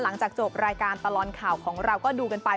หลังจากจบรายการตลอดข่าวของเราก็ดูกันไป